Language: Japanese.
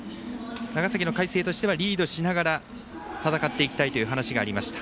長崎の海星としてはリードしながら、戦っていきたいという話がありました。